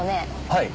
はい。